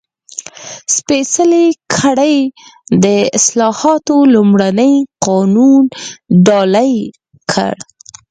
سپېڅلې کړۍ د اصلاحاتو لومړنی قانون ډالۍ کړ.